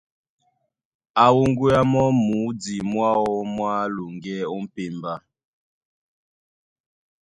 Á wúŋgéá mɔ́ mudî mwáō mwá loŋgɛ́ ó m̀pémbá.